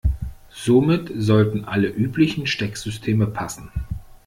Somit sollten alle üblichen Stecksysteme passen.